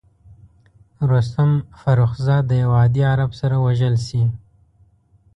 رستم فرخ زاد د یوه عادي عرب سره وژل شي.